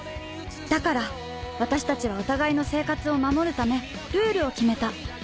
だから私たちはお互いの生活を守るためルールを決めた。